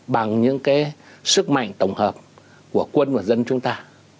bằng những sức mạnh tổng hợp của quân và dân chúng ta